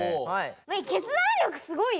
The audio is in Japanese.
メイ決断力すごいよ。